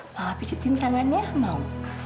mama pijetin tangannya mau